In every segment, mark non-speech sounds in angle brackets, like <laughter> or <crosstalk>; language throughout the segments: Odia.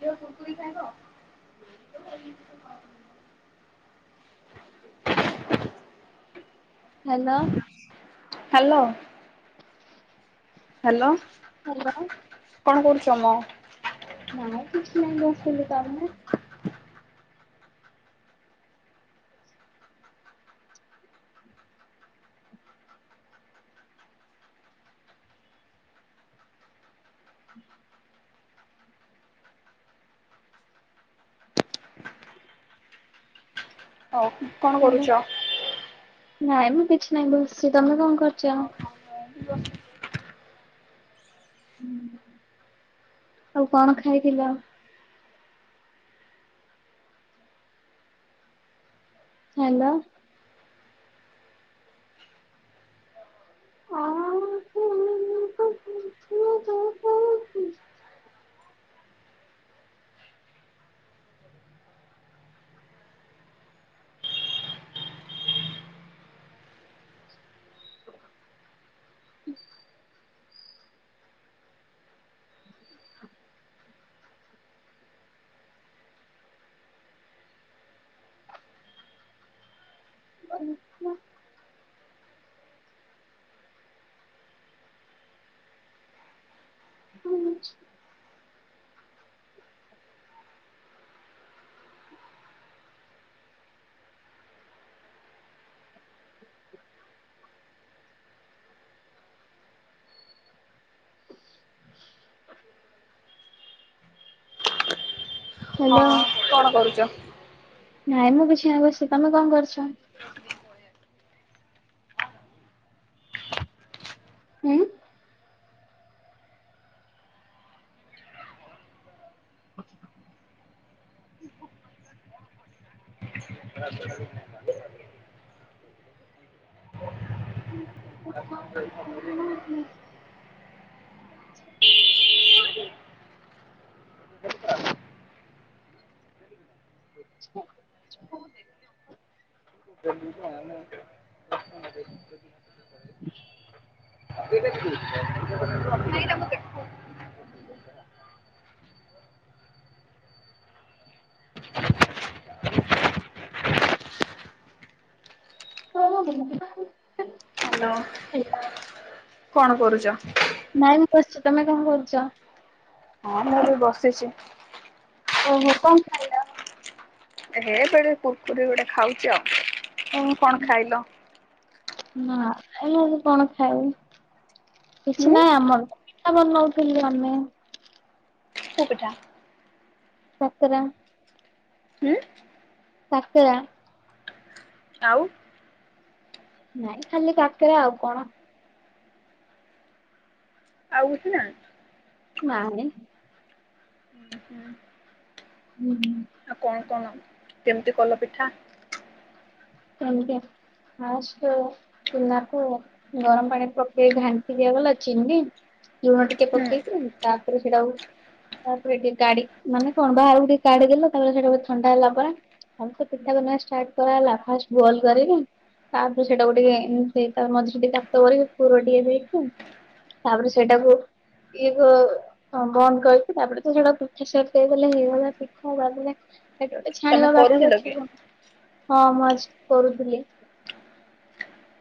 ଦେ କୁକୁଳି ଖବ <inaudible> ହ୍ୟାଲୋ। ହ୍ୟାଲୋ। ହ୍ୟାଲୋ କଣ କରୁଚ ମ? ନାଇଁ କିଛି ନାଇଁ ବସିଥିଲି। ତମେ? <inaudible> ହଉ କଣ ହ୍ୟାଲୋ କରୁଛ? ନାଇଁ ମ କିଛି ନାଇଁ ବସିଚି। ତମେ କଣ କର ବସ ହୁଁ ଆଉ କଣ ଖାଇଥିଲ? ହ୍ୟାଲୋ। ହ ତ ବହୁ <inaudible> ହଁ ବଲ <unintelligible> <inaudible> ହୁଁ ହଁ କଣ କରୁଚ? ନାଇଁ ମୁଁ କିଛି ଆଉ ବସି। ତମେ କଣ କରୁଛ? ହୁଁ। ଆଛା <inaudible> ଆ <inaudible> ହ <inaudible> <inaudible> <inaudible> ଜ <inaudible> <inaudible> ଟ କେ <unintelligible> <inaudible> <unintelligible> ହ୍ୟାଲୋ କଣ କରୁଚ? ବସିଚି ତମେ କଣ କରୁଚ? ହଁ ମୁଁ ବି ବସିଚି। ଓହୋ କଣ ଖାଇଲ? ଏ ହେ ଏବେ କୁରକୁରି ଗୋଟେ ଖାଉଚି ଆଉ କଣ ଓହୋ ଖାଇଲ? ନା ଏମିତି କଣ ଖାଇବି। ହୁଁ କିଛି ନାହିଁ ଆମର ପିଠା ବନଉଥିଲୁ ଆମେ ସେ ପିଠା। କାକେରା ହୁଁ? କାକେର। ଆଉ। ନାଇଁ ଖାଲି କାକେରା ଆଉ କଣ? ଆଉ କିଛି ନାଇଁ? ନାଇଁ। ଉଁ ହୁଁ। ଉଁ ହୁଁ। ଆଉ କଣ କଣ କେମିତି କଲ ପିଠା? ସେମିତି ଫାର୍ଷ୍ଟ ଚୁନାକୁ ଗରମ ପାଣି ପକେଇ ଘାଣ୍ଟି ଦିଆଗଲା। ଚିନି ଲୁଣ ଟିକ ଟିକେ ହୁଁ ପକେଇକି ତା ପରେ ସେଇଟାକୁ ତା ପରେ ଟିକେ କାଢି ମାନେ କଣ ବାହାରକୁ ଟିକେ କାଢି ଦେଲ ତା ପରେ ସେଇଟା କୁ ଥଣ୍ଡା ହେଲା ପରେ ଆଉ ସେ ପିଠା ବନେଇବା ଷ୍ଟାର୍ଟ କରାହେଲା ଫାଷ୍ଟ ବଲ କରବି। ତାପରେ ସେଇଟାକୁ ଟିକେ ଏମତି ତା ମଝିରେ ଟିକେ ଗାତ କରିକି ପୁର ଟିକେ ଦେଇକି ତାପରେ ସେଇଟାକୁ ଇଏ କ ହଁ ବନ୍ଦ କରିଛି ତାପରେ ତ ସେଟାକୁ ପିଠା ସେଟ୍ ଦେଇଦେଲେ ହେଇଗଲା ପିଠା ତାପରେ ସେଟା ଗୋଟେ ତମେ ଛାଣିବା ବାକି କରୁଥିଲ ଅଛି ହଁ ମୁ ଆଜି କରୁଥିଲି।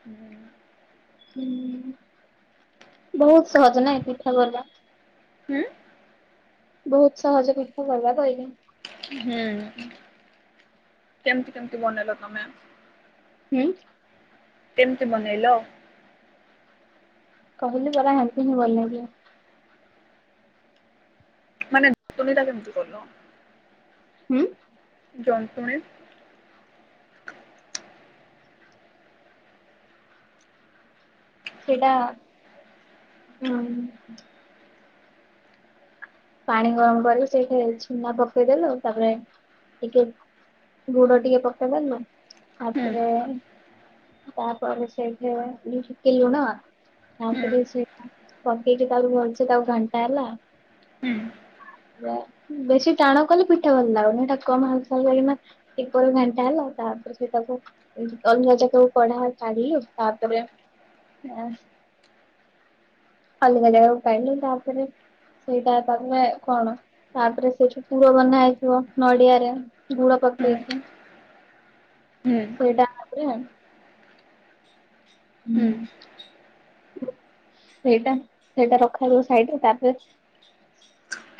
ହୁଁ। ହୁଁ ବୋହୁତ ସହଜ ନାଇଁ ପିଠା କରବା। ହୁଁ ବହୁତ ସହଜ ପିଠା କରିବା କହିଲି। ହୁଁ। କେମିତି କେମିତି ବନେଇଲ ତମେ। ହୁଁ। କେମିତି ବନେଇଲ। କହିଲି ପରା ହେମତୀ ହିଁ ବେନେଇବି। ମାନେ ଜନ୍ତୁନି ଟା କେମିତି କଲ। ହୁଁ। ଜନ୍ତପଣେ। ସେଟା ହୁଁ। ପାଣି ଗରମ କରିକି ସେଇଥିରେ ଚୁନା ପକେଇଦେଲୁ ତାପରେ ଟିକେ ଗୁଡ ଟିକେ ପକେଇ ଦେଲୁ ହୁଁ ତାପରେ ତାପରେ ସେଇଥିରେ ଟିକେ ଲୁଣ। ହୁଁ ତାପରେ ସେ ପକେଇକି ତାପରେ ଭଲସେ ତାକୁ ଘାଣ୍ଟା ହେଲା। ହୁଁ ବେଶୀ ଟାଣ କଲେ ପିଠା ଭଲ ଲାଗୁନି ଏଟା କମ ହାଲକା ଯା ମ ଇକ୍ୱାଲ ଘାଣ୍ଟା ହେଲା ତାପରେ ସେଟାକୁ ଅନ୍ୟ ଜାଗାକୁ କଢ଼ା କାଢ଼ିଲୁ ତାପରେ ଅଲଗା ଜାଗାକୁ କାଢ଼ିଲୁ ତାପରେ ସେଇଟା ତାପରେ କଣ ତାପରେ ସେଠି ପୂର ବନା ହେଇଥିବ ନଡିଆରେ ଗୁଡ଼ ହୁଁ ପକେଇକି। ହୁଁ। ସେଇଟା ଆପରେ। ହୁଁ। ସେଇଟା ସେଇଟା ରଖାଯିବ ସାଇଡରେ ତାପରେ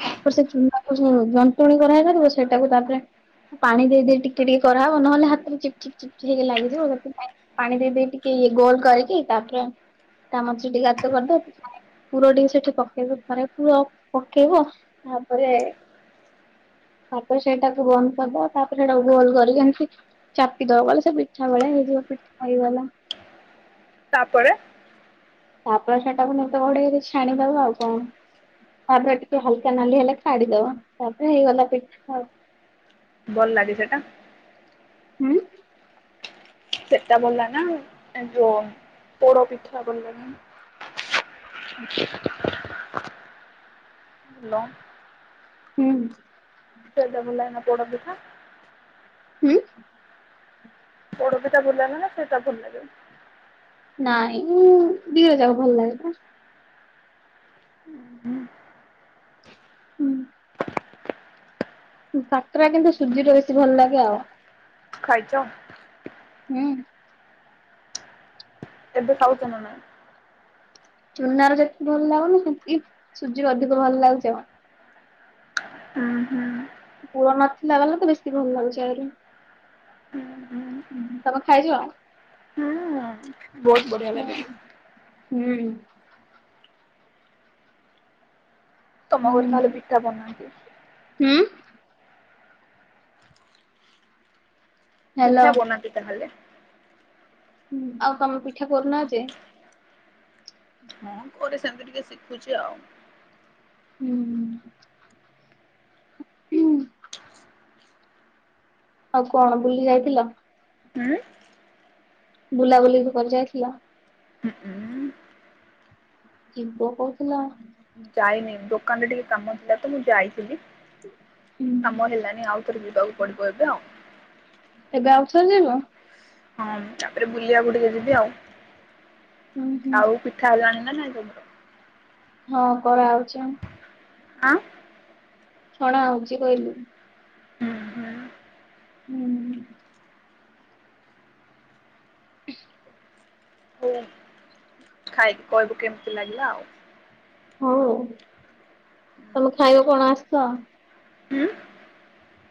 ତାପରେ ସେ ଚୁନାକୁ ଯୋଉ ଯନ୍ତୁଣୀ କରା ହେଇନଥିବ ସେଇଟାକୁ ତାପରେ ପାଣି ଦେଇ ଦେଇ ଟିକେ ଟିକେ କରାହବ ନହେଲେ ହାତକୁ ଚିପ୍ ଚିପ୍ ଚିପ୍ ଚିପ୍ ଲାଗିଯିବ ସେଥିପାଇଁ ପାଣି ଦେଇ ଦେଇକି ଟିକେ ଗୋଲ କରିକି ତାପରେ ତା ମଝିରେ ଟିକେ ଗାତ କରିଦବୁ ପୁର ଟିକେ ସେଠୁ ପକେଇବୁ ଥରେ ପୁର ପକେଇବ ତାପରେ ତାପରେ ସେଇଟାକୁ ବନ୍ଦ କରିଦେବ ତାପରେ ସେଇଟାକୁ ଗୋଲ କରିକି <unintelligible> ଚାପିଦବ ଭଲସେ ପିଠା ଭଳିଆ ହେଇଯିବ ପିଠା ହେଇଗଲା। ତାପରେ ତାପରେ ସେଟାକୁ ନିତ ଘୋଡେଈକି ଛାଣିଦବ ଆଉ କଣ। ତାପରେ ଟିକେ ହାଲକା ନାଲି ହେଲେ କାଢିଦବ ତାପରେ ହେଇଗଲା ପିଠା ଆଉ। ଭଲ ଲାଗେ ସେଟା। ଉଁ। ସେଟା ଭଲ ନା ଏ ଯୋଉ ପୋଡ ପିଠା ଭଲ ଲାଗେ। ହାଲୋ ହୁଁ ସେଟା ଭଲ ଲାଗେନା ପୋଡ଼ ପିଠା। ହୁଁ ପୋଡ଼ ପିଠା ଭଲ ଲାଗେ ନା ସେଇଟା ଭଲ ଲାଗେ। ନାଇଁ ଉ ଦିଟା ଯାକ ଭଲ ଲାଗେ ତ। <unintelligible> ହୁଁ। କାକରା କିନ୍ତୁ ସୁଜିରେ ବେଶୀ ଭଲ ଲାଗେ ଆଉ। ଖାଇଛ? ହୁଁ। ଏବେ ଖାଉଛନା ନା ନାହିଁ। ଚୁନାର ଯେତିକି ଭଲ ଲାଗୁନି ସେମତିି ସୁଜିରୁ ଅଧିକ ଭଲ ଲାଗୁଛି? ହୁଁ ହୁଁ। ପୁଅ ନଥିଲା ବାଲା ତ ବେଶୀ ଭଲ ଲାଗୁଛି ଆଉରି। ହୁଁ ହୁଁ। ତମେ ଖାଇଛ? ବୋହୁତ୍ ବଢିଆ ଲାଗେ। ହୁଁ। ତମ ଘର ତାହେଲେ ପିଠା ବନାନ୍ତି? ହୁଁ। ହ୍ୟାଲୋ ପିଠା ବନାନ୍ତି ତାହେଲେ ଆଉ ତମେ ପିଠା କରୁ ନାହାଁନ୍ତି? ମୁଁ କୁ-ସେମିତି ଟିକେ ଶିଖୁଛି ଆଉ। ହୁଁ। ହୁଁ। ଆଉ କଣ ବୁଲି ଯାଇଥିଲ? ହୁଁ। ବୁଲାବୁଲି କରି ଯାଇଥିଲ? ହୁଁ ଉଁ। କି ପୁଅ କହୁଥିଲା। ଯାଇନି ଦୋକାନରେ ଟିକେ କାମ ଥିଲା ତ, ମୁଁ ଯାଇଥିଲି କାମ ହେଲାନି ଆଉ। ଥରେ ଯିବାକୁ ପଡିବ ଏବେ ଆଉ। ଏବେ ଆଉଥରେ ଯିବ? ହଁ ତାପରେ ବୁଲିବାକୁ ଟିକେ ଯିବି ହୁଁ ହୁଁ ଆଉ। ଖାଇଲଣି ନା ଖାଇନ? ହଁ କରାହଉଛି। ଆଁ। କଣ ଆଉଚି କହିଲୁ? ହୁଁ ହୁଁ। ହୁଁ। ହଉ ଖାଇକି କହିବୁ କେମିତି ଲାଗିଲା ଆଉ। ହଉ, ତମେ ଖାଇବ କଣ ଆସ ହୁଁ।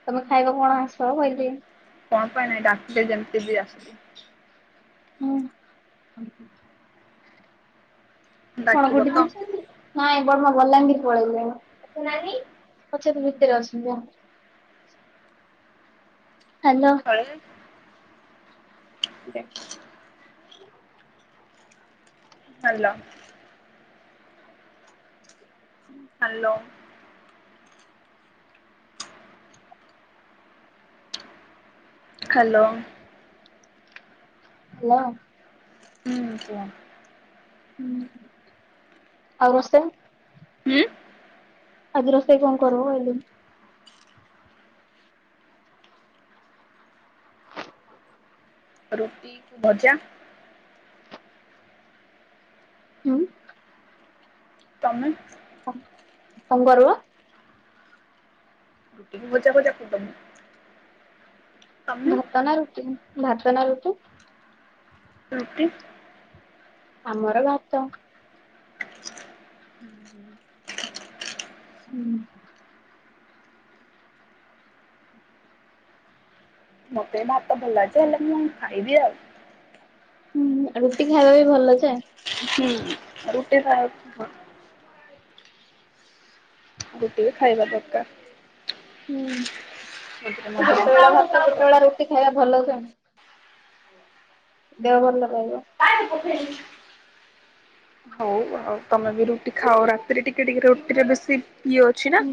ତମେ ଖାଇବ କଣ ଆସ, କହିଲି। କଣ ପାଇଁ ନାଇଁ ଡାକିତେ ଯେମିତି ବି ଆସି ହୁଁ। କଣ ଡାକିବ ଗୋଠି ତ ଖାଇଛନ୍ତି? ନାଇଁ ବଡମା ବଲାଙ୍ଗୀର ପଳେଇଲେ। ଏ ନୀ ପଛେ ତ ଭିତରେ ଅଛନ୍ତି ଆ ହାଲୋ। ହଳେ ଦେ ହାଲୋ। Hello hello. ହାଲୋ। ହୁଁ କୁହ। ହୁଁ ଆଉ ରୋଷେଇ? ହୁଁ? ଆଜି ରୋଷେଇ କଣ କରିବୁ ବୋଇଲି? ରୁଟି କି ଭଜା। ହୁଁ। ତମେ? କଣ କରିବ? ରୁଟିକୁ ଭଜା ଫଜା କରିଦେମୀ। ଭାତ ନା ରୁଟି ଭାତ ନା ରୁଟି? ରୁଟି। ଆମର ଭାତ। ହୁଁ ହୁଁ। ହୁଁ। ମୋତେ ଭାତ ଭଲ ଲାଗେଜେ ହେଲେ ମୁଁ ଖାଇବି ଆଉ। ହୁଁ ରୁଟି ଖାଇବା ବି ଭଲଚେ। ହୁଁ ରୁଟିଟା ଭଲ। ରୁଟିବି ଖାଇବା ଦରକାର। ହୁଁ ମଝିରେ ଗୋଟେ ବେଳା ଭାତ ଗୋଟେ ବେଳା ରୁଟି ଖାଇବା ଭଲ ଯେ। ଦେହ ଭଲ ରହିବ। କାଇ ଦେୋକ ଫ ହଉ ଆଉ ତମେ ବି ରୁଟି ଖାଅ ରାତିରେ ଟିକେ ଟିକେ ରୁଟିରେ ବେଶୀ ଇଏ ଅଛି ନା ହୁଁ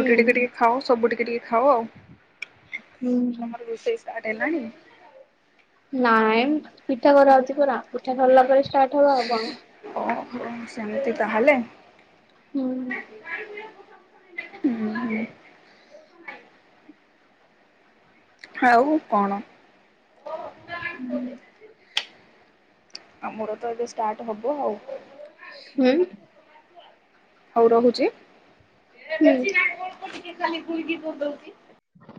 ରୁଟି ଟାକୁ ଟିକେ ଖାଅ ସବୁ ଟିକେ ଟିକେ ଖାଅ ଆଉ। ହୁଁ। ତମର ରୋଷେଇ ଷ୍ଟାର୍ଟ ହେଲାଣି? ନାଇଁ ପିଠା କରାହୋଉଛି ପରା ପିଠା ସରିଲା ପରେ ଷ୍ଟାର୍ଟ ହବ ଆଉ କଣ। ଓହୋ ସେମିତି ତାହେଲେ। ହୁଁ। ହୁଁ ହୁଁ ଆଉ କଣ? ହୁଁ। ଆମର ତ ଏବେ ଷ୍ଟାର୍ଟ ହବ ଆଉ। ନାଇଁ? ହୋଉ ରହୁଛି। ହୁଁ।